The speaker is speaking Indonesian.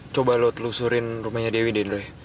coba lo telusurin rumahnya dwi deh drek